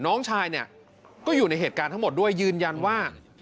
น้องชายเนี่ยก็อยู่ในเหตุการณ์ทั้งหมดด้วยยืนยันว่า